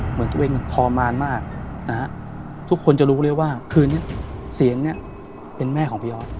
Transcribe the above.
เหมือนตัวเองทรมานมากนะฮะทุกคนจะรู้เลยว่าคืนนี้เสียงเนี่ยเป็นแม่ของพี่ออส